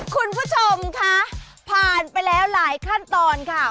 คุณผู้ชมคะผ่านไปแล้วหลายขั้นตอนค่ะ